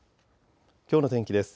きょうの天気です。